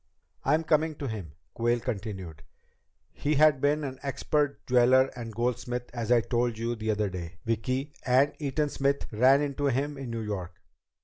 "I'm coming to him," Quayle continued. "He had been an expert jeweler and goldsmith as I told you the other day, Vicki, and Eaton Smith ran into him in New York.